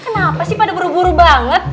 kenapa sih pada buru buru banget